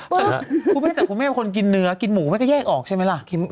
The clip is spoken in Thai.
พูดไม่ได้จากคุณเมฆคนกินเนื้อกินหมูไม่ได้แยกออกใช่ไหมล่ะ